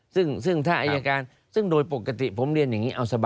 คืออย่างนี้ครับ